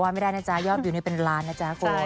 ว่าไม่ได้นะจ๊ะยอมอยู่ในเป็นร้านนะจ๊ะคุณ